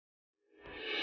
mama akan selalu doain roy